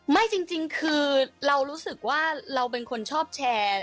ไม่จริงคือเรารู้สึกว่าเราเป็นคนชอบแชร์